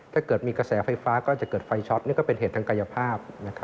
ถ้าเกิดมีกระแสไฟฟ้าก็จะเกิดไฟช็อตนี่ก็เป็นเหตุทางกายภาพ